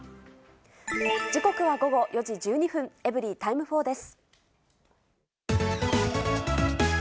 時刻は午後４時１２分、エブリィタイム４です。